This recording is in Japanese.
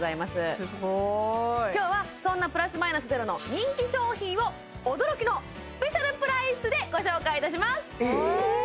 今日はそんなプラスマイナスゼロの人気商品を驚きのスペシャルプライスでご紹介いたしますえ